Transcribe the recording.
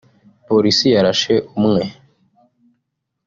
Polisi yarashe umwe